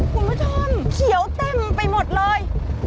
คุณผู้ชมเขียวเต็มไปหมดเลย